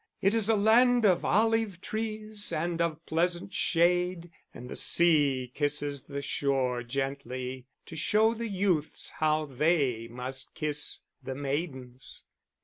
It is a land of olive trees and of pleasant shade, and the sea kisses the shore gently to show the youths how they must kiss the maidens.